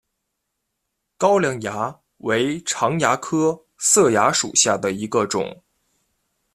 高梁蚜为常蚜科色蚜属下的一个种。